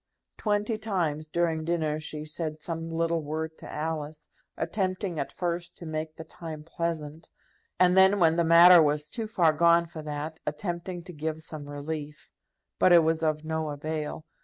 Twenty times during dinner she said some little word to Alice, attempting at first to make the time pleasant, and then, when the matter was too far gone for that, attempting to give some relief. But it was of no avail.